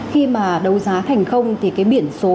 khi mà đấu giá thành công thì cái biển số